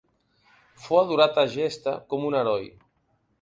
Fou adorat a Egesta com un heroi.